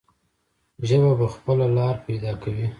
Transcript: ژبه به خپله لاره پیدا کوي.